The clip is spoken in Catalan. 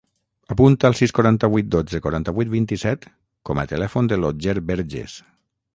Apunta el sis, quaranta-vuit, dotze, quaranta-vuit, vint-i-set com a telèfon de l'Otger Berges.